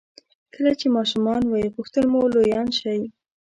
کله چې ماشومان وئ غوښتل مو لویان شئ.